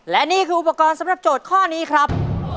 และนี่คืออุปกรณ์สำหรับโจทย์ข้อนี้ครับ